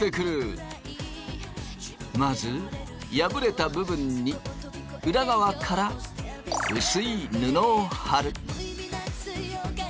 まず破れた部分に裏側から薄い布を貼る。